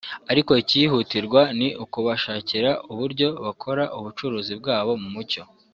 ariko ikihutirwa ni ukubashakira uburyo bakora ubucuruzi bwabo mu mucyo